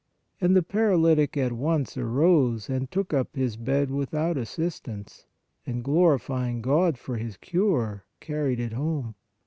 And the paralytic at once arose, and took up his bed without assistance and, glorifying God for his cure, carried it home.